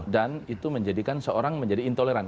dan itu menjadikan seorang menjadi intoleran